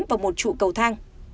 và một trụ cầu thang